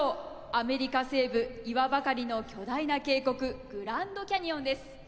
アメリカ西部岩ばかりの巨大な渓谷グランドキャニオンです。